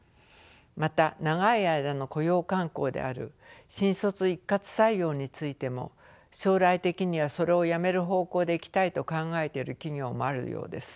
また長い間の雇用慣行である新卒一括採用についても将来的にはそれをやめる方向でいきたいと考えている企業もあるようです。